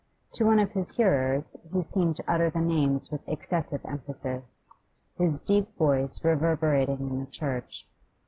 To one of his hearers he seemed to utter the names with excessive emphasis, his deep voice reverberating in the church.